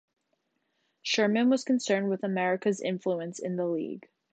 Sherman was concerned with America's influence in the League.